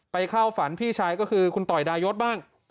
เข้าฝันพี่ชายก็คือคุณต่อยดายศบ้าง